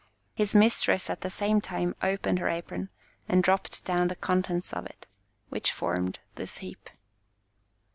His mistress at the same time opened her apron, and dropped down the contents of it, which formed this heap."